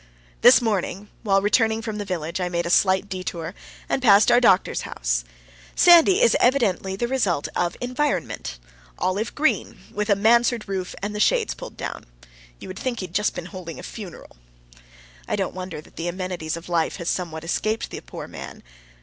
This morning, while returning from the village, I made a slight detour, and passed our doctor's house. Sandy is evidently the result of environment olive green, with a mansard roof and the shades pulled down. You would think he had just been holding a funeral. I don't wonder that the amenities of life have somewhat escaped the poor man.